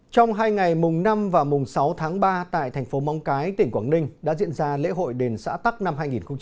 trong hai ngày mùng năm và mùng sáu tháng ba tại thành phố móng cái tỉnh quảng ninh đã diễn ra lễ hội đền xã tắc năm hai nghìn hai mươi